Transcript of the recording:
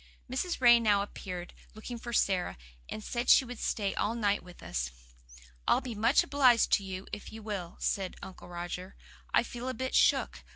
Mrs. Ray now appeared, looking for Sara, and said she would stay all night with us. "I'll be much obliged to you if you will," said Uncle Roger. "I feel a bit shook.